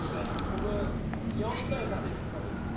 僕４対３で日本です。